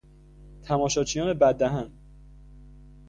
تماشاچیان بد دهن